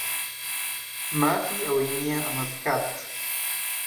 مافی ئەوەی نییە ئەمە بکات.